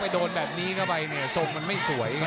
โดดบังหนีกับไปเนี่ยสมมันไม่สวย